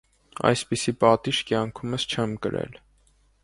Այսպիսի պատիժ կյանքումս չեմ կրել: